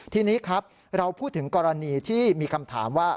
ทีนี้ครับเราพูดถึงกรณีที่มีคำถามว่า